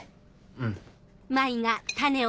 うん。